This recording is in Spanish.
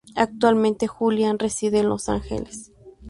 Actualmente, Julian reside en Los Ángeles.